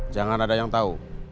jangan ada yang tahu